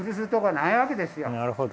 なるほど。